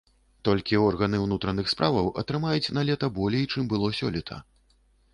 Толькі органы ўнутраных справаў атрымаюць налета болей, чым было сёлета.